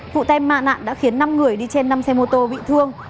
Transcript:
vụ tai nạn đã khiến năm người đi trên năm xe mô tô bị thương